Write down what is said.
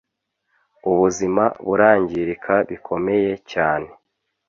ubuzima burangirika bikomeye cyane